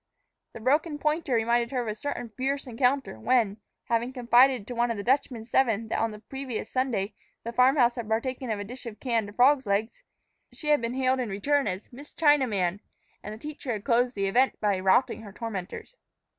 The broken pointer reminded her of a certain fierce encounter when, having confided to one of the Dutchman's seven that on the previous Sunday the farm house had partaken of a dish of canned frogs' legs, she had been hailed in return as "Miss Chinaman," and the teacher had closed the event by routing her tormentors.